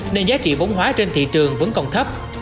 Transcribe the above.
nên giá trị vốn hóa trên thị trường vẫn còn thấp